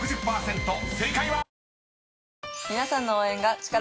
正解は⁉］